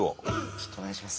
ちょっとお願いします。